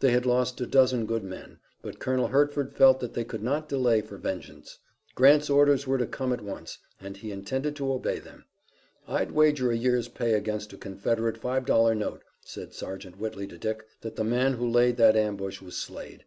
They had lost a dozen good men, but Colonel Hertford felt that they could not delay for vengeance. Grant's orders were to come at once; and he intended to obey them. "I'd wager a year's pay against a Confederate five dollar note," said Sergeant Whitley to Dick, "that the man who laid that ambush was Slade.